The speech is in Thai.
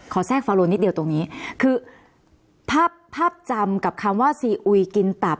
แทรกฟาโลนิดเดียวตรงนี้คือภาพภาพจำกับคำว่าซีอุยกินตับ